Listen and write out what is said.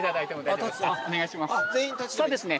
そうですね。